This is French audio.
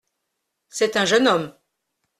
C’est un jeune homme.